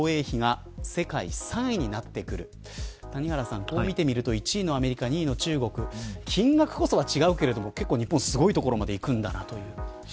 谷原さん、こう見てみると１位のアメリカ、２位の中国金額こそは違うけれども結構、日本は、すごいところまでいくんだろうなという。